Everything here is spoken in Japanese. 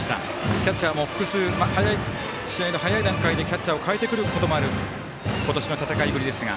キャッチャーも複数試合の早い段階でキャッチャーを代えてくることもある今年の戦いぶりですが。